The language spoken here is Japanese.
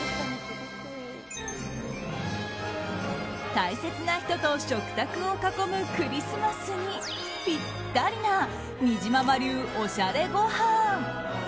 大切な人と食卓を囲むクリスマスにピッタリなにじまま流おしゃれごはん。